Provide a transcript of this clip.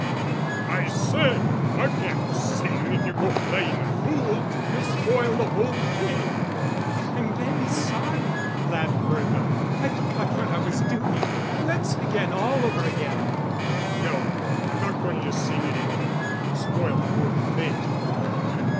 "I say, I can't sing if you go playing the fool. You spoil the whole thing." "I'm very sorry," laughed Bertha. "I forgot what I was doing. Let's begin all over again." "No, I'm not going to sing any more. You spoil the whole thing."